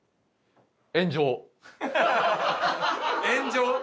炎上？